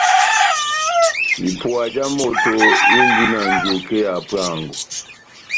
Ipuwa já moto indi na njuke ya hapuango.